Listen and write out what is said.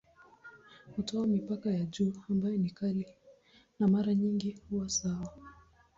Hutoa mipaka ya juu ambayo ni kali na mara nyingi huwa sawa.